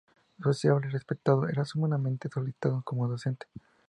Sociable y respetado, era sumamente solicitado como docente.